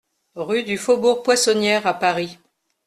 Rue du Faubourg Poissonnière à Paris